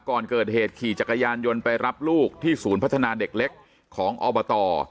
ก่อนเกิดเหตุขี่จักรยานยนต์ไปรับลูกที่ศูนย์พัฒนาเด็กเล็กของอบต